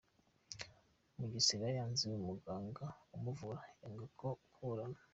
Mugesera yanze umuganga umuvura, yanga no kuburana